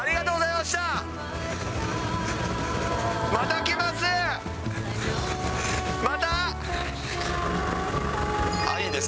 また来ます。